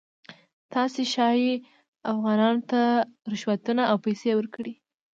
تاسې ښایي افغانانو ته رشوتونه او پیسې ورکړئ.